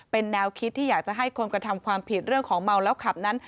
เป็นแนวคิดที่อยากจะให้คนกระทำความผิดเรื่องของเมาแล้วขับนั้น